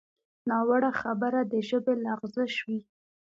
ناوړه خبره د ژبې لغزش وي